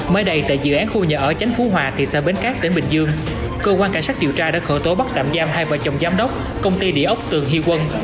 mới đây tại dự án khu nhà ở chánh phú hòa thị xã bến cát tỉnh bình dương cơ quan cảnh sát điều tra đã khởi tố bắt tạm giam hai vợ chồng giám đốc công ty địa ốc tường hy quân